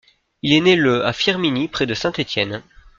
Il est né le à Firminy près de Saint-Étienne.